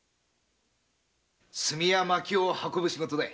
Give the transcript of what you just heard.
炭や薪を運ぶ仕事だ。